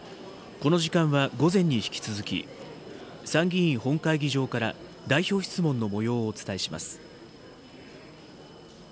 この時間は午前に引き続き、参議院本会議場から代表質問のもようをお伝えします。